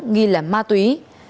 nghi là ma túy